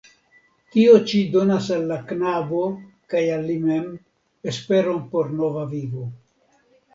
Tio ĉi donas al la knabo (kaj al li mem) esperon por nova vivo.